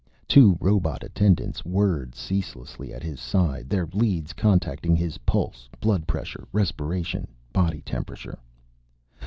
Two robot attendants whirred ceaselessly at his side, their leads contacting his pulse, blood pressure, respiration, body temperature.